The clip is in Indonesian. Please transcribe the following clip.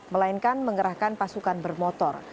melainkan mengerahkan pasukan bermotor